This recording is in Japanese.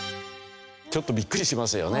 ちょっとビックリしますよね。